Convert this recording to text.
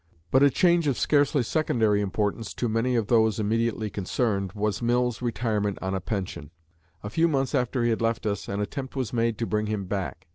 But a change of scarcely secondary importance to many of those immediately concerned was Mill's retirement on a pension. A few months after he had left us an attempt was made to bring him back.